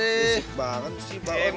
bisa banget sih pak om